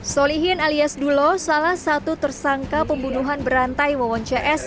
solihin alias dulo salah satu tersangka pembunuhan berantai wawon cs